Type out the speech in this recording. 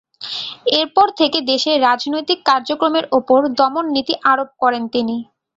এরপর থেকে দেশে রাজনৈতিক কার্যক্রমের ওপর দমন নীতি আরোপ করেন তিনি।